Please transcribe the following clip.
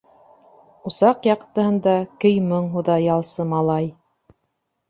Усаҡ яҡтыһында көй-моң һуҙа ялсы малай.